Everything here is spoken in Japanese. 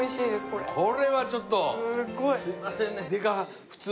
これこれはちょっとすいませんね